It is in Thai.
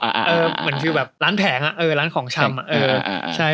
เหมือนฟิวแบบล้านแผงเหรอร้านของชำ